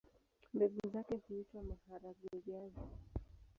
Mbegu zake huitwa maharagwe-viazi.